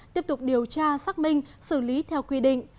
tiếp tục điều tra xác minh xử lý theo quy định